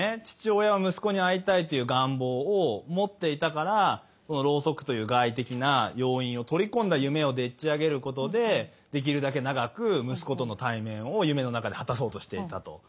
父親は息子に会いたいという願望を持っていたからろうそくという外的な要因を取り込んだ夢をでっち上げることでできるだけ長く息子との対面を夢の中で果たそうとしていたと。